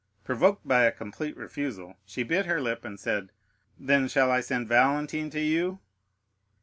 Provoked by a complete refusal, she bit her lip and said, "Then shall I send Valentine to you?"